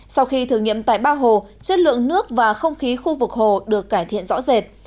sau khi thử nghiệm tại ba hồ chất lượng nước và không khí khu vực hồ được cải thiện rõ rệt